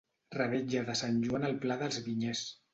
Revetlla de Sant Joan al Pla dels Vinyers.